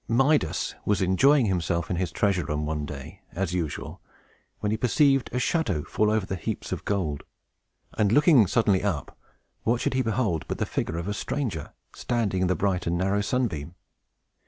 Midas was enjoying himself in his treasure room, one day, as usual, when he perceived a shadow fall over the heaps of gold; and, looking suddenly up, what should he behold but the figure of a stranger, standing in the bright and narrow sunbeam!